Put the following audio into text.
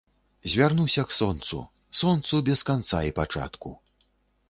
Звярнуся к сонцу, сонцу без канца й пачатку.